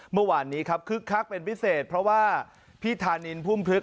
เมื่อวานนี้ครับคึกคักเป็นพิเศษเพราะว่าพี่ธานินพุ่มพลึก